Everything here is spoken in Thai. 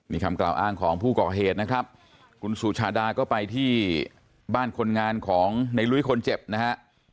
นี่คำกล่าวอ้างของผู้ก่อเหตุนะครับคุณสุชาดาก็ไปที่บ้านคนงานของในลุ้ยคนเจ็บนะฮะ